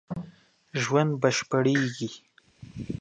ژوند بشپړېږي